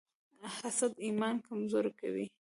حسد ایمان کمزوری کوي.